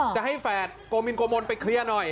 จะให้แฝดโกมินโกมนไปเคลียร์หน่อย